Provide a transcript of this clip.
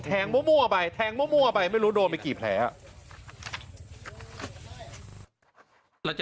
มั่วไปแทงมั่วไปไม่รู้โดนไปกี่แผลครับ